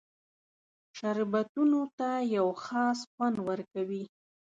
شربتونو ته یو خاص خوند ورکوي.